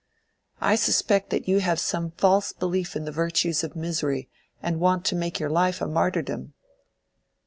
I suspect that you have some false belief in the virtues of misery, and want to make your life a martyrdom."